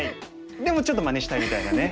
でもちょっとまねしたいみたいなね。